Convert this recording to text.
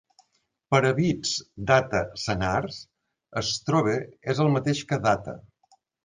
Per a bits Data senars, Strobe és el mateix que Data.